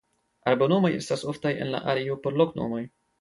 Arbonomoj estas oftaj en la areo por loknomoj.